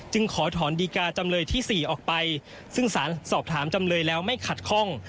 ขอถอนดีกาจำเลยที่๔ออกไปซึ่งสารสอบถามจำเลยแล้วไม่ขัดข้อง